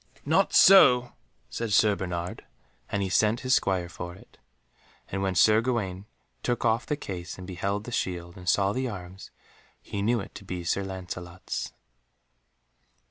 "Not so," said Sir Bernard, and sent his Squire for it. And when Sir Gawaine took off the case and beheld the shield, and saw the arms, he knew it to be Sir Lancelot's.